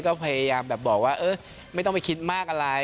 ก็พยายามแบบบอกว่าเออไม่ต้องไปคิดมากอะไร